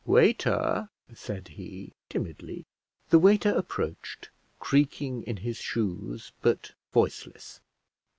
"Waiter," said he, timidly. The waiter approached, creaking in his shoes, but voiceless.